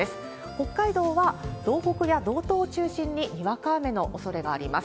北海道は道北や道東を中心ににわか雨のおそれがあります。